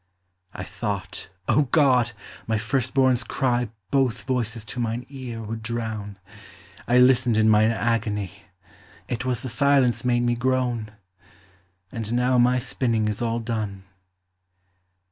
I thought, O God! my first born's cry Both voices to mine ear would drown: I listened in mine agony, It was the silence made me groan! And now my spinning is all done.